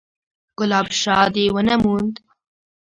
_ګلاب شاه دې ونه موند؟